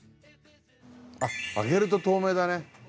あっ上げると透明だね